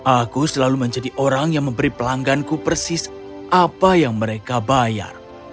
aku selalu menjadi orang yang memberi pelangganku persis apa yang mereka bayar